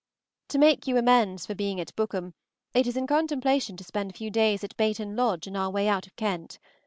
To make you amends for being at Bookham, it is in contemplation to spend a few days at Baiton Lodge in our way out of Kent.